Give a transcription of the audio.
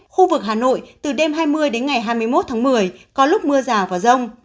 khu vực hà nội từ đêm hai mươi đến ngày hai mươi một tháng một mươi có lúc mưa rào và rông